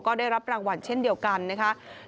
ก็ได้รับรางวัลเช่นเดียวกันนะคะ